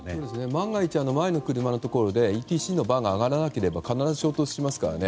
万が一、前の車のところでＥＴＣのバーが上がらなければ必ず衝突しますからね。